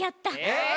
えっ！？